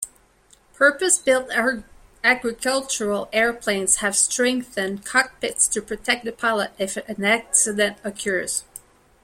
Purpose-built agricultural airplanes have strengthened cockpits to protect the pilot if an accident occurs.